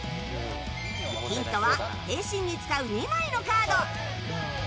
ヒントは、変身に使う２枚のカード。